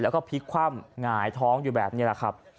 แล้วก็พลิกคว่ำหงายท้องอยู่แบบนี้แหละครับ